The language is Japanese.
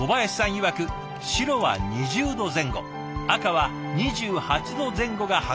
いわく白は２０度前後赤は２８度前後が発酵の適温。